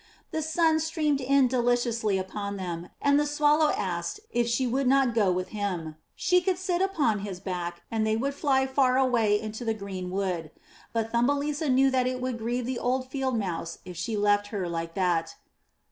The sun streamed in deliciously upon them, and the Swallow asked if she would not go with him. She could sit upon his back and they would fly far away into the green wood. But Thumbelisa 424 UP ONE PAIR OF STAIRS knew that it would grieve the old Field Mouse if she left her like that.